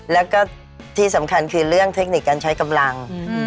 แล้วก็ที่สำคัญคือเรื่องเทคนิคการใช้กำลัง